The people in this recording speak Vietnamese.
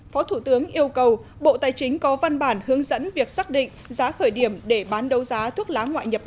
phó thủ tướng yêu cầu bộ tài chính có văn bản hướng dẫn việc xác định giá khởi điểm để bán đấu giá thuốc lá ngoại nhập lậu